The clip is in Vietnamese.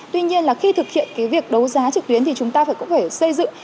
tuy nhiên là khi thực hiện cái việc đấu giá trực tuyến thì chúng ta phải cũng phải xây dựng